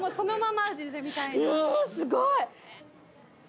んすごい！